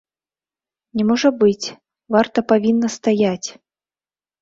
Не можа быць, варта павінна стаяць.